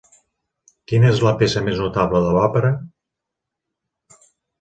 Quina és la peça més notable de l'òpera?